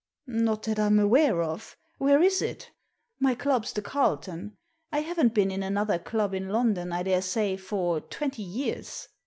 " Not that I am aware of. Where is it ? My club's the Carlton. I haven't been in another club in London, I daresay, for twenty years.